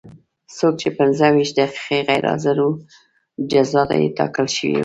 څوک چې پنځه ویشت دقیقې غیر حاضر و جزا یې ټاکل شوې وه.